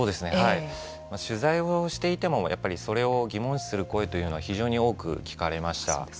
取材をしていてもそれを疑問視する声というのは非常に多く聞かれました。